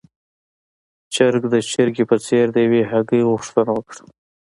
چرګ د چرګې په څېر د يوې هګۍ غوښتنه وکړه.